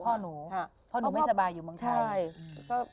พ่อหนูไม่สบายอยู่บางไทย